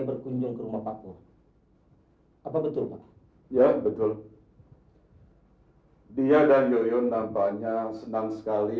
berkunjung ke rumah paku apa betul pak ya betul dia dan yurion tampaknya senang sekali